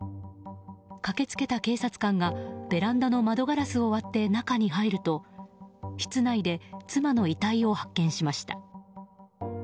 駆け付けた警察官がベランダの窓ガラスを割って中に入ると室内で妻の遺体を発見しました。